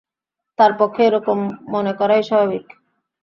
তাঁর পক্ষে এরকম মনে করাই স্বাভাবিক।